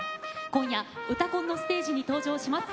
今夜「うたコン」のステージに登場します。